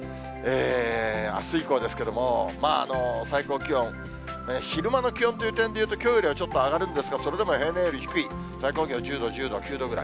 あす以降ですけれども、最高気温、昼間の気温という点でいうと、きょうよりはちょっと上がるんですが、それでも平年より低い、最高気温１０度、１０度、９度ぐらい。